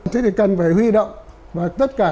thế thì cần phải huy động và tất cả